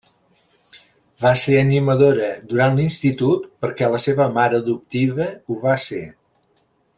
Va ser animadora durant l'institut perquè la seva mare adoptiva ho va ser.